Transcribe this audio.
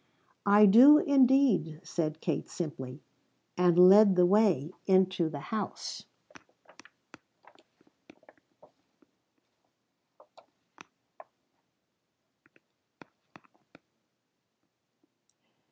"I do indeed," said Kate simply and led the way into the house.